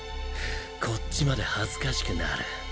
こっちまで恥ずかしくなる。